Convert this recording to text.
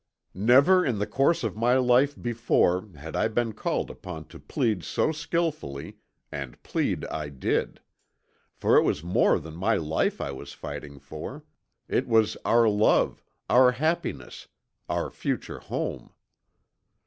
Never in the course of my life before had I been called upon to plead so skillfully, and plead I did; for it was more than my life I was fighting for, it was our love, our happiness, our future home.